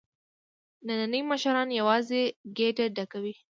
نني مشران یوازې ګېډه ډکوي.